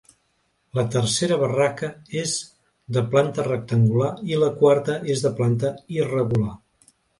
La tercera barraca és de planta rectangular i la quarta és de planta irregular.